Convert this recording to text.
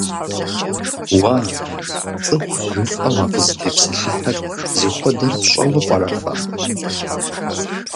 Уа, цӀыхущ жыфӀэу а фызытепсэлъыхьыр зыхуэдэр фщӀэуэ пӀэрэ фэ?